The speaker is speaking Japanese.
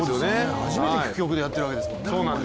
初めて聴く曲でやってるわけですもんね。